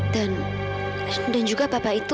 dan dan juga papa itu